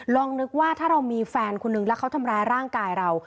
ลองนึกว่าถ้าเรามีแฟนคนนึงแล้วเขาทำร้ายร่างกายเรา